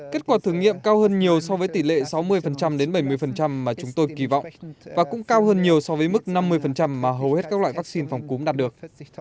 kết quả thử nghiệm cao hơn nhiều so với tỷ lệ sáu mươi đến bảy mươi mà chúng tôi kỳ vọng và cũng cao hơn nhiều so với mức năm mươi mà hầu hết các loại vaccine phòng cúm đạt được